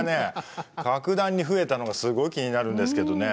格段に増えたのがすごい気になるんですけどね。